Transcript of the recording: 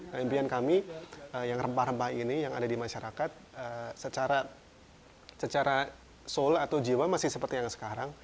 dan impian kami yang rempah rempah ini yang ada di masyarakat secara soul atau jiwa masih seperti yang sekarang